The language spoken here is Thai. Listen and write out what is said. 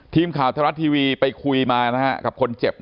ทีมข่าวธรรมรัฐทีวีไปคุยมากับคนเจ็บ